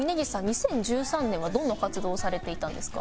２０１３年はどんな活動をされていたんですか？